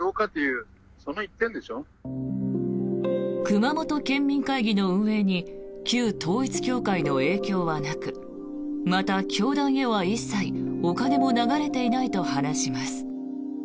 熊本県民会議の運営に旧統一教会の影響はなくまた、教団へは一切お金も流れていないと話します。